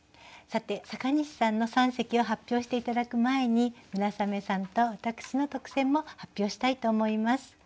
さて阪西さんの三席を発表して頂く前に村雨さんと私の特選も発表したいと思います。